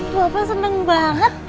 bapak seneng banget